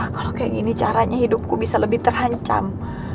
kalau kayak gini caranya hidupku bisa lebih terancam